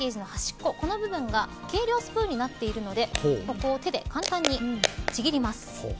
この部分が計量スプーンになっているのでここを手で簡単にちぎります。